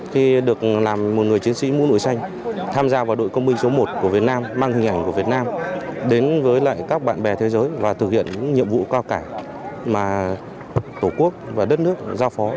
khi được làm một người chiến sĩ mũ nổi xanh tham gia vào đội công binh số một của việt nam mang hình ảnh của việt nam đến với lại các bạn bè thế giới và thực hiện những nhiệm vụ cao cả mà tổ quốc và đất nước giao phó